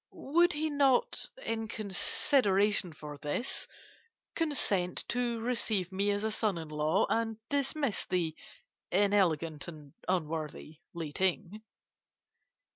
Would he not, in consideration for this, consent to receive me as a son in law, and dismiss the inelegant and unworthy Li Ting?